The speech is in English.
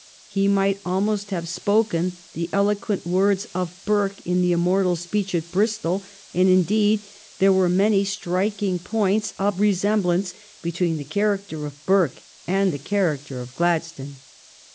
He might almost have spoken the eloquent words of Burke in the imm_ortal speech at Bristol; and, indeed, there are many striking points of resemblance between the character of Burke and the character of Gladstone.